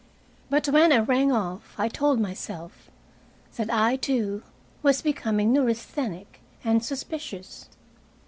But when I rang off I told myself that I, too, was becoming neurasthenic and suspicious.